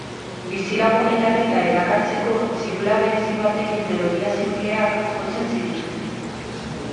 Bizilagunen arreta erakartzeko, txirula berezi batekin melodia sinpleak jotzen zituzten.